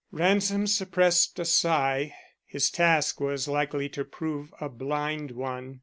Ransom suppressed a sigh. His task was likely to prove a blind one.